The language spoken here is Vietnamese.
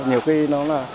nhiều khi nó là